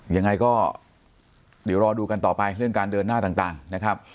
ยังไงก็เดี๋ยวรอดูกันต่อไปเรื่องการเดินหน้าต่างนะครับ